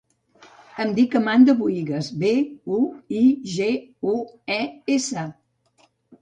Em dic Amanda Buigues: be, u, i, ge, u, e, essa.